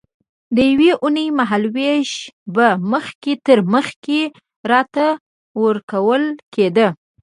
د یوې اوونۍ مهال وېش به مخکې تر مخکې راته ورکول کېده.